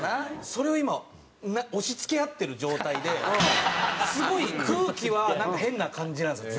それを今押し付け合ってる状態ですごい空気はなんか変な感じなんですよ